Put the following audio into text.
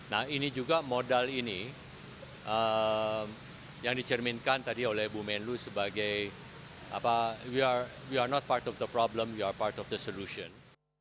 nah ini juga modal ini yang dicerminkan tadi oleh bu menlu sebagai not part of the problem wear part of the solution